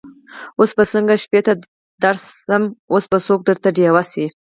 اوس به څنګه شپې ته درسم اوس به څوک درته ډېوه سي